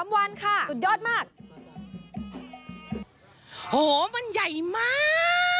วันค่ะสุดยอดมากโหมันใหญ่มาก